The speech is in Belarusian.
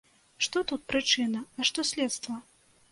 Што тут прычына, а што следства?